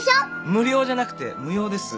無料じゃなくて無用です。